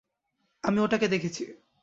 আমি ওটাকে দেখেছি।